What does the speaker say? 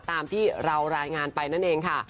ตามที่เรารายงานไปนั่นเองค่ะ